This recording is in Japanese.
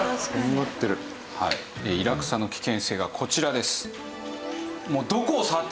イラクサの危険性がこちらです。